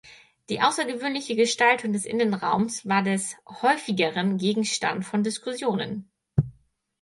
Die außergewöhnliche Gestaltung des Innenraums war des Häufigeren Gegenstand von Diskussionen.